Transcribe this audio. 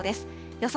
予想